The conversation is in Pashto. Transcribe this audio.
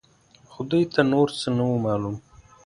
خو دوی ته نور څه نه وو معلوم.